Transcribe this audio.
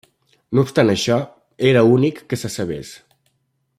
No obstant això, era únic, que se sabés.